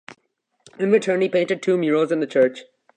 In return he painted two murals in the church.